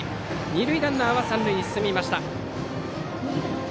二塁ランナーは三塁に進みました。